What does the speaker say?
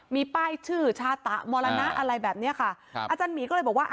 มีป้ายชื่อชาตะมรณะอะไรแบบเนี้ยค่ะครับอาจารย์หมีก็เลยบอกว่า